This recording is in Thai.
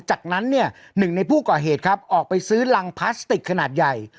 จากนั้นเนี่ยหนึ่งในผู้ก่อเหตุครับออกไปซื้อรังพลาสติกขนาดใหญ่